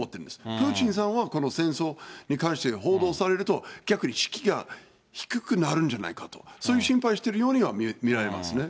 プーチンさんはこの戦争に関して報道されると、逆に士気が低くなるんじゃないかと、そういう心配してるようには見られますね。